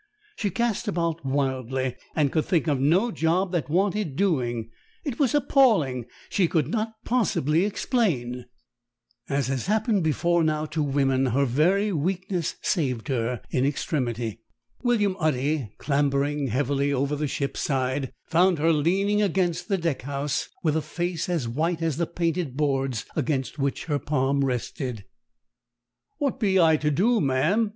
She cast about wildly and could think of no job that wanted doing. It was appalling: she could not possibly explain As has happened before now to women, her very weakness saved her in extremity. William Udy, clambering heavily over the ship's side, found her leaning against the deck house, with a face as white as the painted boards against which her palm rested. "What be I to do, ma'am?"